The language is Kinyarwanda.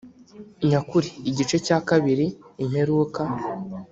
nyakuri igice cya kabiri imperuka